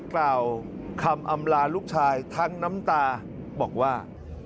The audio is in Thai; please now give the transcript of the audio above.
กล่าวคำอำลาลูกชายทั้งน้ำตาบอกว่า